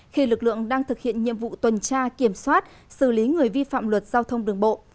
khi lực lượng đang thực hiện nhiệm vụ tuần tra kiểm soát xử lý người vi phạm luật giao thông đường bộ